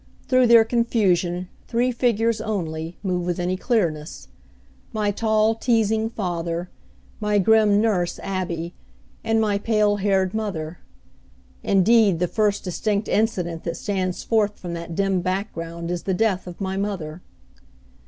Through their confusion three figures only, move with any clearness, my tall, teasing, father, my grim nurse Abby, and my pale haired mother. Indeed, the first distinct incident that stands forth from that dim background is the death of my mother.